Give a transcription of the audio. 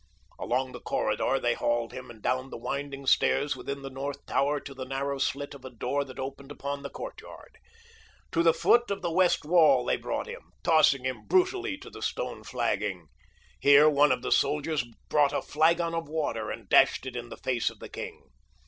Along the corridor they hauled him and down the winding stairs within the north tower to the narrow slit of a door that opened upon the courtyard. To the foot of the west wall they brought him, tossing him brutally to the stone flagging. Here one of the soldiers brought a flagon of water and dashed it in the face of the king.